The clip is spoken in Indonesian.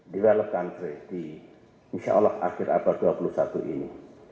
develop country di insya allah akhir abad dua puluh satu ini